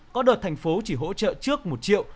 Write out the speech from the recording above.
có đợt thành phố chỉ hỗ trợ trước một triệu